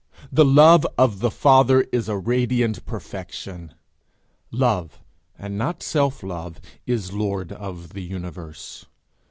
The love of the Father is a radiant perfection. Love and not self love is lord of the universe.